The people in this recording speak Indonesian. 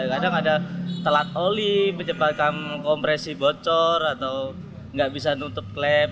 kadang ada telat oli menyebabkan kompresi bocor atau nggak bisa nutup klep